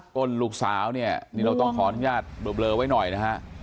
้นลูกสาวเนี่ยนี่เราต้องขออนุญาตเบลอไว้หน่อยนะฮะ